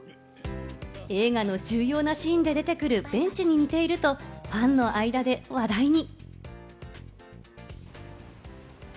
映画の重要なシーンで出てくるベンチに似ているとファンの間で話題に。